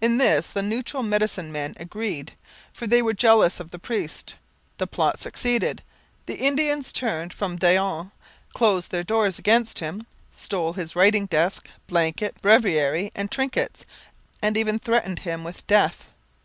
In this the Neutral medicine men agreed, for they were jealous of the priest. The plot succeeded. The Indians turned from Daillon, closed their doors against him, stole his writing desk, blanket, breviary, and trinkets, and even threatened him with death.